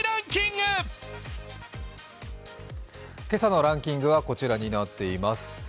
今朝のランキングはこちらになっています。